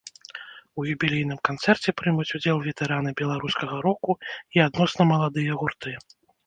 У юбілейным канцэрце прымуць удзел ветэраны беларускага року і адносна маладыя гурты.